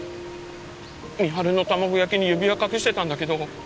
美晴の卵焼きに指輪隠してたんだけど